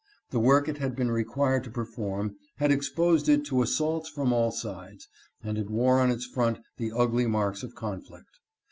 The work it had been re quired to perform had exposed it to assaults from all sides, and it wore on its front the ugly marks of conflict.